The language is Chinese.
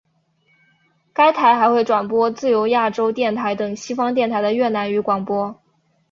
该台还会转播自由亚洲电台等西方电台的越南语广播。